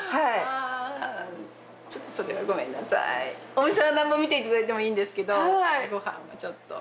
お店は何度見ていただいてもいいんですけどご飯はちょっと。